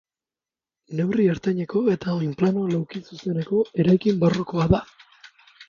Neurri ertaineko eta oinplano laukizuzeneko eraikin barrokoa da.